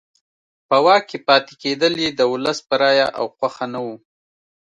په واک کې پاتې کېدل یې د ولس په رایه او خوښه نه وو.